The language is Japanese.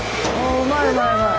うまいうまいうまい！